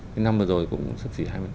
cái năm vừa rồi cũng xuất sỉ hai mươi